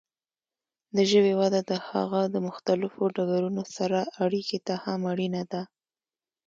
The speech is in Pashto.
د ژبې وده د هغه د مختلفو ډګرونو سره اړیکې ته هم اړینه ده.